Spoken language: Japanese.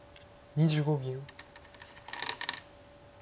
２５秒。